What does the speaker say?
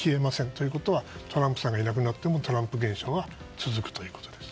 ということはトランプさんがいなくてもトランプ現象は続くということです。